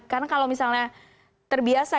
karena kalau misalnya terbiasa